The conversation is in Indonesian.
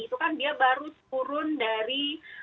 itu kan dia baru turun dari